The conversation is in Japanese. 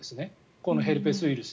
このヘルペスウイルスは。